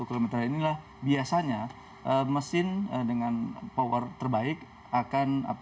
satu satu km inilah biasanya mesin dengan power terbaik akan apa